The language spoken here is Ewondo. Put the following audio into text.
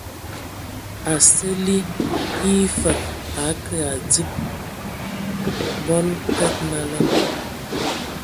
A sǝ ali, e yǝ fǝg a akǝ a adib bɔn kǝg nalá.